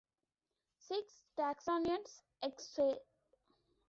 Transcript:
Six Texians escaped.